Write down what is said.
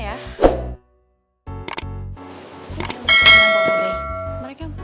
ini yang mau ketemu sama pak b